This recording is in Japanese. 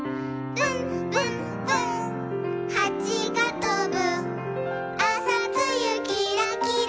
「ぶんぶんぶんはちがとぶ」